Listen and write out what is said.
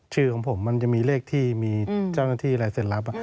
ชื่อของผมมันจะมีเลขที่มีเจ้าหน้าที่อะไรเซ็นรับ